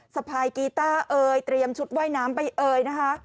สะพายกีต้าเอ่ยเตรียมชุดว่ายน้ำไปเอ่ยนะคะ